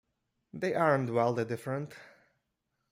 They aren't wildly different.